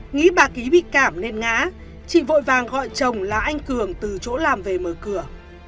nghĩ bà ký bị cảm nên ngã chị vội vàng gọi chồng là anh cường từ chỗ làm về mở cửa